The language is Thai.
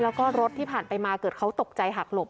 แล้วก็รถที่ผ่านไปมาเกิดเขาตกใจหักหลบ